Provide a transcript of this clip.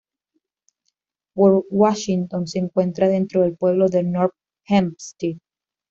Port Washington se encuentra dentro del pueblo de North Hempstead.